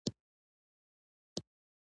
خولۍ د مختلفو رنګونو وي.